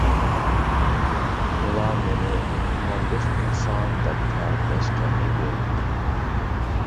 ئۇلار مېنى مېھماندوست ئىنسان دەپ تەرىپلەشكەن ئىدى.